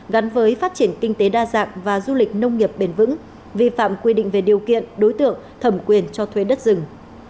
gắn với phát triển kinh tế đa dạng và du lịch nông nghiệp bền vững vi phạm quy định về điều kiện đối tượng thẩm quyền cho thuê đất rừng